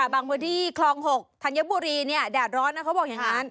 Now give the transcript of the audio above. บางพื้นที่คลอง๖ธัญบุรีแดดร้อนนะเขาบอกอย่างนั้น